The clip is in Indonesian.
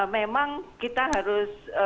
memang kita harus